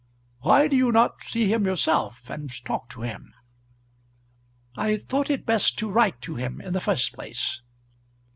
Why do you not see him yourself, and talk to him?" "I thought it best to write to him in the first place."